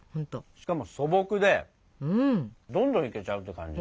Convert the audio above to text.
しかも素朴でどんどんいけちゃうって感じ。